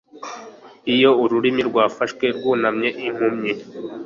Iyo ururimi rwafashwe rwunamye impumyi,